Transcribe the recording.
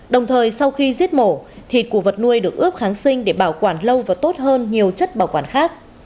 đồng thời sau khi giết mổ thịt của vật nuôi được ướp kháng sinh để bảo quản lâu và tốt hơn nhiều chất bảo quản khác